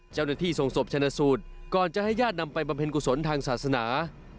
เจ้าหน้าที่ส่งศพชนะสูตรก่อนจะให้ญาตินำไปบำเพ็ญกุศลทางศาสนา